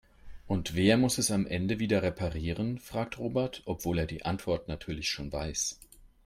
"Und wer muss es am Ende wieder reparieren?", fragt Robert, obwohl er die Antwort natürlich schon weiß.